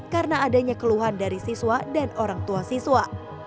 karena adanya keluhan dari siswa dan orang tua siswa